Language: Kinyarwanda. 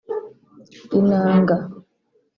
inanga